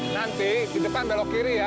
nanti di depan belok kiri ya